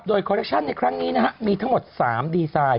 โดยคอลเลคชั่นในครั้งนี้นะฮะมีทั้งหมด๓ดีไซน์